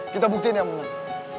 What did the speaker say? kita buktiin yang menang